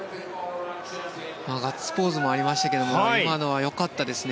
ガッツポーズもありましたけれども今のは良かったですね。